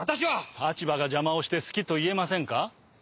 立場が邪魔をして好きと言えませんか？